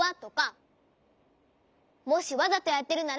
もしわざとやってるなら。